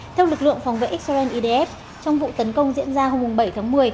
theo lực lượng phòng vệ xrn edf trong vụ tấn công diễn ra hôm bảy tháng một mươi